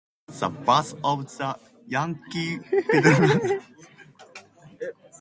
This was the birth of "The Yankee Peddler".